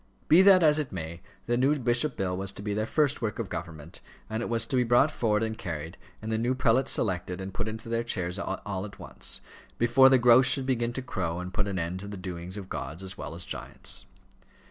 Be that as it may, the new bishop bill was to be their first work of government, and it was to be brought forward and carried, and the new prelates selected and put into their chairs all at once, before the grouse should begin to crow and put an end to the doings of gods as well as giants.